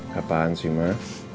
gapain sih ma